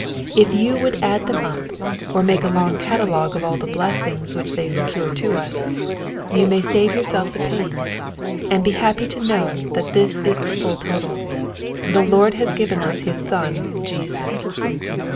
If you would add them up, or make a long catalogue of all the blessings which they secure to us, you may save yourself the pains, and be happy to know that this is the full total — the Lord has given us his Son Jesus.